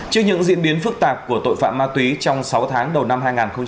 trước những diễn biến phức tạp của tội phạm ma túy trong sáu tháng đầu năm hai nghìn hai mươi bốn